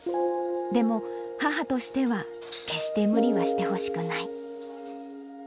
でも、母としては決して無理はしてほしくない。